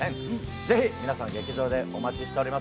ぜひ皆さん劇場でお待ちしております